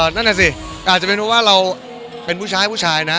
นั่นแหละสิอาจจะเป็นเพราะว่าเราเป็นผู้ชายผู้ชายนะ